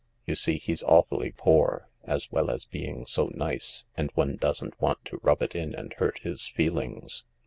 You see, he's awfully poor, as well as being so nice, and one doesn't want to rub it in and hurt his feelings."